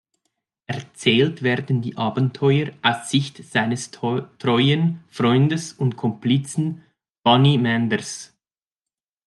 Erzählt werden die Abenteuer aus Sicht seines treuen Freundes und Komplizen Bunny Manders.